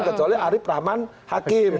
kecuali arief rahman hakim